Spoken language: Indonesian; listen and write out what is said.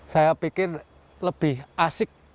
saya pikir lebih asik